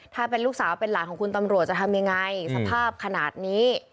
ถ้าเป็นลูกสาวเป็นหลานของคุณตำรวจจะทำยังไงสภาพขนาดนี้